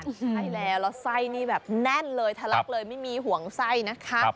ใช่แล้วแล้วไส้นี่แบบแน่นเลยทะลักเลยไม่มีห่วงไส้นะคะ